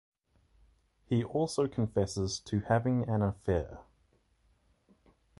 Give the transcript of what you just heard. He also confesses to having an affair.